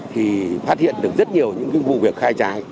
thì phát hiện được rất nhiều những vụ việc khai trái